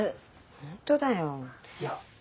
本当だよ。